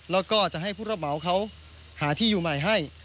แล้วก็จะให้ผู้รับเหมาเขาหาที่อยู่ใหม่ให้